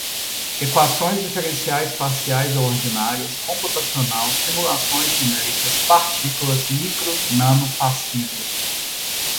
equações diferenciais parciais ou ordinárias, computacional, simulações numéricas, partículas, micro, nano, passível